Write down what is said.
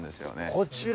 こちら。